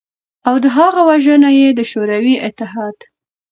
او د هغه وژنه ېې د شوروی اتحاد